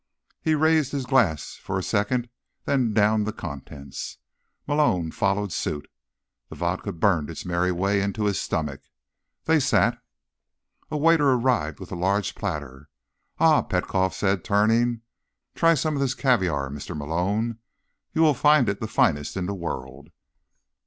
He raised his glass for a second, then downed the contents. Malone followed suit. The vodka burned its merry way into his stomach. They sat. A waiter arrived with a large platter. "Ah," Petkoff said, turning. "Try some of this caviar, Mr. Malone. You will find it the finest in the world."